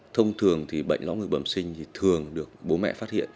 thông thường thì bệnh lõng ngực bầm sinh thì thường được bố mẹ phát hiện